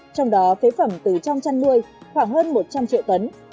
trong đó phế phẩm từ trong chăn nuôi khoảng hơn một trăm linh triệu tấn